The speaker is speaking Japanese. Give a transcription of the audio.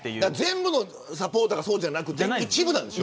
全部のサポーターがそうじゃなくて一部なんでしょ。